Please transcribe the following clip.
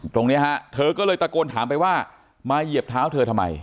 ตรงนี้ฮะเธอก็เลยตะโกนถามไปว่ามาเหยียบเท้าเธอทำไม